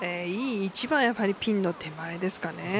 いい一番ピンの手前ですかね。